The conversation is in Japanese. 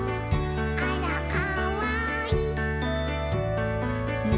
「あらかわいい！」